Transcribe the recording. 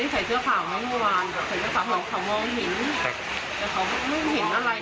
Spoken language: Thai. ถูกฟ้าทำในน้ำดีเลยนะ